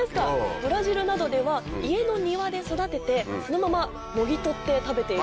ブラジルなどでは家の庭で育ててそのままもぎ取って食べているんです。